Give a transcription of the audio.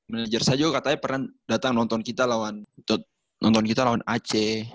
manajer saya juga katanya pernah datang nonton kita lawan ac